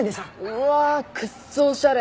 うわあ！クソおしゃれ。